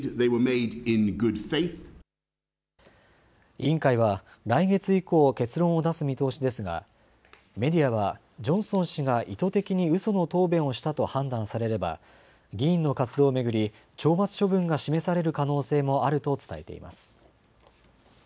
委員会は来月以降、結論を出す見通しですがメディアはジョンソン氏が意図的にうその答弁をしたと判断されれば議員の活動を巡り懲罰処分が示される可能性もあると伝えています。